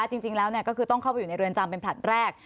จริงแล้วก็คือต้องเข้าไปอยู่ในเรือนจำเป็นผลัดแรก